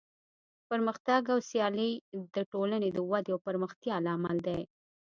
پرمختګ او سیالي د ټولنې د ودې او پرمختیا لامل دی.